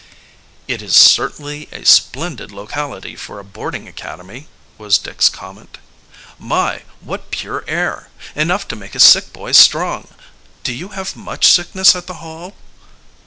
"It is certainly a splendid locality for a boarding academy," was Dick's comment. "My, what pure air enough to make a sick boy strong! Do you have much sickness at the Hall?"